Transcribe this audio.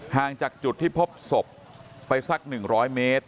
ห่างจากจุดที่พบศพไปสัก๑๐๐เมตร